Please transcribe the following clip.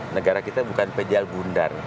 negara kita bukan pejal bundar